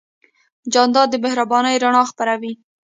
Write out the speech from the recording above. جانداد د مهربانۍ رڼا خپروي.